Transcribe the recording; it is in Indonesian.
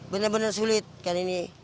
bener bener sulit kan ini